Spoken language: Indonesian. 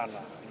kan gak etis